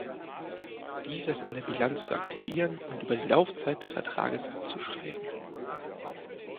Dieser ist in der Bilanz zu aktivieren und über die Laufzeit des Vertrages abzuschreiben.